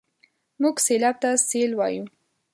موږ سېلاب ته سېل وايو.